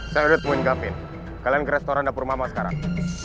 saya udah temuin gapin kalian ke restoran dapur mama sekarang